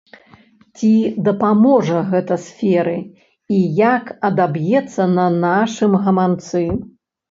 Ці дапаможа гэта сферы і як адаб'ецца на нашым гаманцы?